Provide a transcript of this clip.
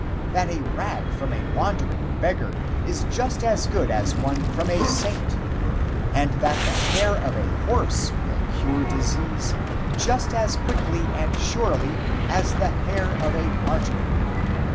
That a rag from a wandering beggar is just as good as one from a saint, and that the hair of a horse will cure disease just as quickly and surely as the hair of a martyr.